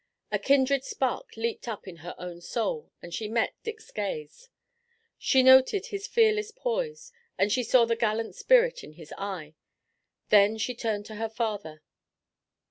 A kindred spark leaped up in her own soul, and she met Dick's gaze. She noted his fearless poise, and she saw the gallant spirit in his eye. Then she turned to her father.